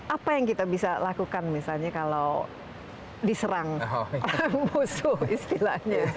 apa yang kita bisa lakukan misalnya kalau diserang orang musuh istilahnya